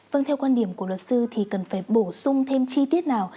vâng theo quan điểm của luật sư thì cần phải bổ sung thêm chi tiết nào